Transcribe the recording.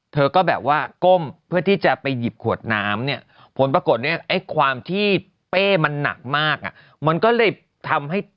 เธอก็แบบว่ากล้ม